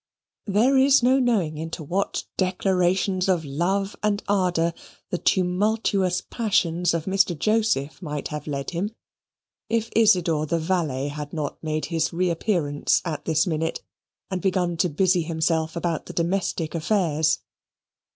There is no knowing into what declarations of love and ardour the tumultuous passions of Mr. Joseph might have led him, if Isidor the valet had not made his reappearance at this minute, and begun to busy himself about the domestic affairs.